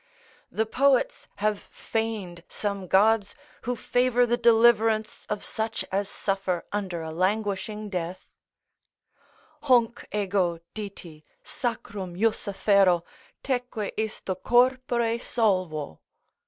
The poets have feigned some gods who favour the deliverance of such as suffer under a languishing death: "Hunc ego Diti Sacrum jussa fero, teque isto corpore solvo."